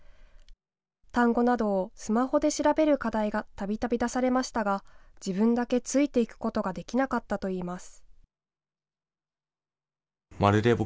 単語などをスマホで調べる課題がたびたび出されましたが自分だけついていくことができなかったといいます。